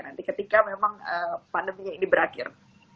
nanti ketika memang pandeminya ini berakhir